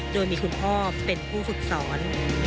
โดยมีคุณพ่อเป็นผู้ฝึกสอน